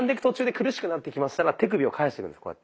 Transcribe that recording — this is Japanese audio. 途中で苦しくなってきましたら手首を返していくんです。